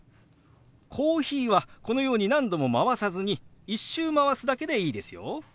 「コーヒー」はこのように何度もまわさずに１周まわすだけでいいですよ。